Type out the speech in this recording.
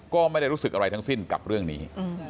ก็ไม่ได้รู้สึกอะไรทั้งสิ้นกับเรื่องนี้